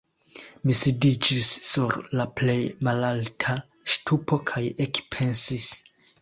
Mi sidiĝis sur la plej malalta ŝtupo kaj ekpensis.